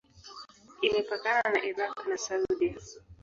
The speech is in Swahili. Imepakana na Irak na Saudia.